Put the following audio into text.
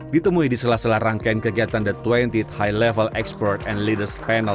ditemui di sela sela rangkaian kegiatan the dua puluh t high level expert and leaders panel